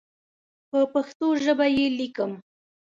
په پښتو ژبه یې لیکم.